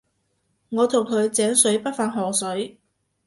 我同佢井水不犯河水